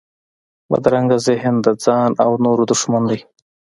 بدرنګه ذهن د ځان او نورو دښمن دی